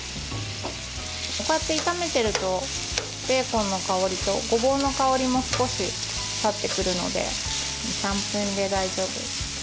こうやって炒めているとベーコンの香りとごぼうの香りも少し立ってくるので２３分で大丈夫。